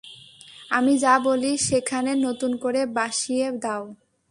আমি যা বলি সেখানে নতুন করে বাসিয়ে দাও।